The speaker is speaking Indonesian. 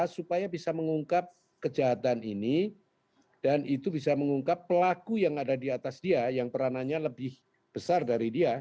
supaya bisa mengungkap kejahatan ini dan itu bisa mengungkap pelaku yang ada di atas dia yang peranannya lebih besar dari dia